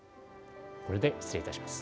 これで失礼いたします。